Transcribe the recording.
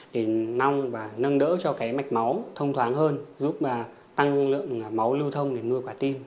để nâng và nâng đỡ cho mạch máu thông thoáng hơn giúp tăng lượng máu lưu thông để nuôi quả tim